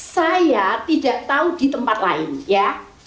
saya tidak tahu di tempat lain ya